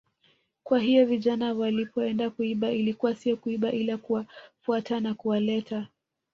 Kwa hiyo vijana walipoenda kuiba ilikuwa sio kuiba ila kuwafuata na kuwaleta